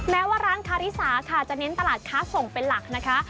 แม้ว่าร้านคาริสาค่ะจะเน้นตลาดค้าส่งเป็นหลักนะคะ